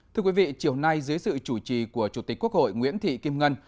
thưa quý vị chiều nay dưới sự chủ trì của chủ tịch quốc hội nguyễn thị kim ngân